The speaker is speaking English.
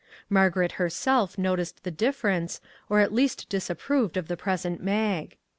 Mar garet herself noticed the difference, or at least disapproved of the present Mag.